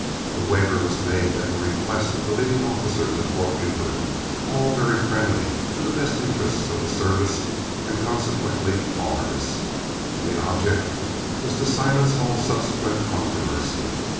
The waiver was made at the request of the leading officers of Fort Buford, all very friendly to the best interests of the service and consequently ours, and the object was to silence all subsequent controversy.